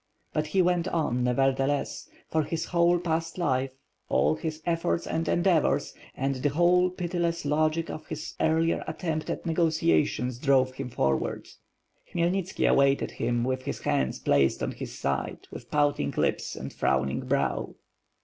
But he went on, nevertheless; for his whole past life, all his efforts and endeavors; and the whole, pitiless logic of his earlier attempt at negotiations drove him forward. Khmyelniski awaited him with his hands placed on his side, with pouting lips and frowning brow.